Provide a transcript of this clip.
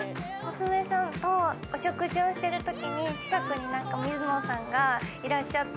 娘さんとお食事をしてる時に近くになんか水野さんがいらっしゃって。